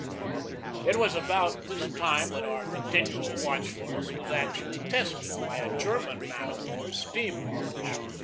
It was about this time that our continual watch fulness was actually tested by a German man of war's steam launch.